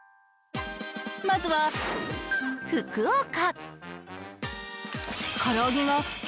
まずは福岡。